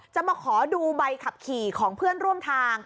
จะมาขอดูใบขับขี่ของเพื่อนร่วมทาง